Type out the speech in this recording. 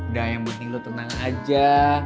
udah yang penting lo tenang aja